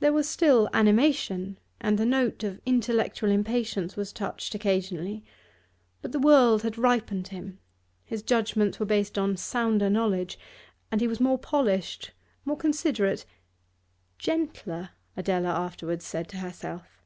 There was still animation, and the note of intellectual impatience was touched occasionally, but the world had ripened him, his judgments were based on sounder knowledge, he was more polished, more considerate 'gentler,' Adela afterwards said to herself.